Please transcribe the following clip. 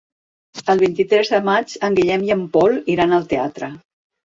El vint-i-tres de maig en Guillem i en Pol iran al teatre.